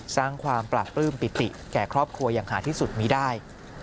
สร้างความปราบปลื้มปิติแก่ครอบครัวอย่างหาที่สุดมีได้